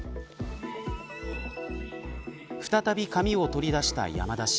再び紙を取り出した山田氏